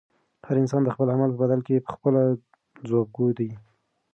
هر انسان د خپل عمل په بدل کې پخپله ځوابګوی دی.